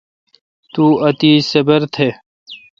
تو اتیش صبر تہ۔